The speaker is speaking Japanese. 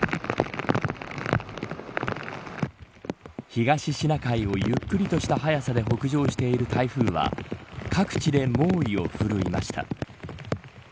東シナ海をゆっくりとした速さで北上している台風は各地で猛威を振るいました。